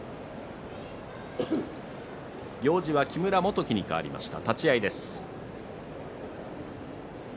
行司は木村元基に変わりました。